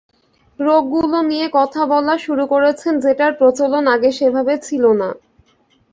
রোগগুলো নিয়ে কথা বলা শুরু করেছেন, যেটার প্রচলন আগে সেভাবে ছিল না।